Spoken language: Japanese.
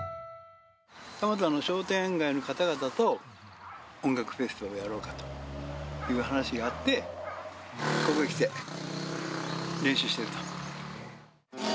蒲田の商店街の方々と、音楽フェスティバルをやろうかという話があって、ここへ来て練習していると。